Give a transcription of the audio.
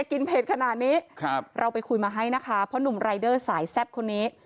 เผ็ดขนาดนี้ครับเราไปคุยมาให้นะคะเพราะหนุ่มรายเดอร์สายแซ่บคนนี้